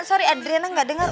sorry adriana gak denger